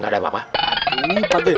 gak ada apa apa